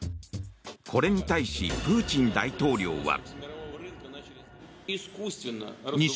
これに対しプーチン大統領は。